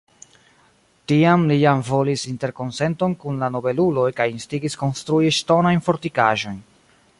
Tiam li jam volis interkonsenton kun la nobeluloj kaj instigis konstrui ŝtonajn fortikaĵojn.